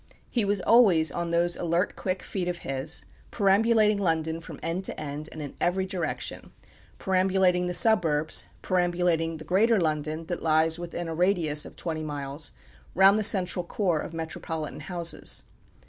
He was always on those alert, quick feet of his, perambulating London from end to end, and in every direction; perambulating the suburbs, perambulating the "greater London" that lies within a radius of twenty miles, round the central core of metropolitan houses.